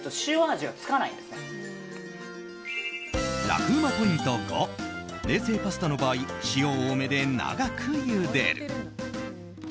楽ウマポイント５冷製パスタの場合塩多めで長くゆでる。